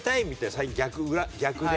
最近は逆で。